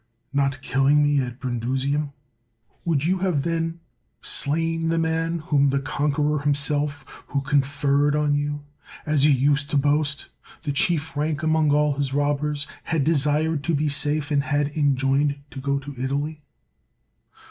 not killing me at Brundusium ? Would you then have slain the man whom the con queror himself, who conferred on you, as you used to boast, the chief rank among all his rob bers, had desired to be safe, and had enjoined to go to Italy?